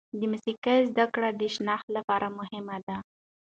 د موسیقي زده کړه د شناخت لپاره مهمه ده.